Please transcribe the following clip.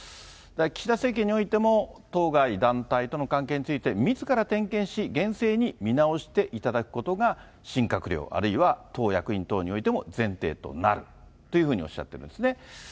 岸田政権においても、当該団体との関係について、みずから点検し、厳正に見直していただくことが新閣僚、あるいは党役員等においても前提となるというふうにおっしゃってますね。